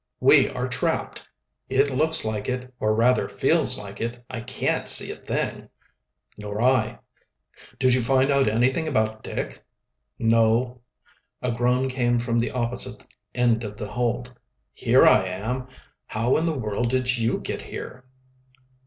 "We are trapped!" "It looks like it or rather feels like it. I can't see a thing." "Nor I. Did you find out anything about Dick?" "No." A groan came from the opposite end of the hold. "Here I am. How in the world did you get here?"